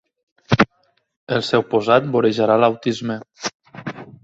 El seu posat vorejarà l'autisme.